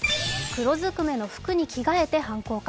黒ずくめの服に着替えて犯行か。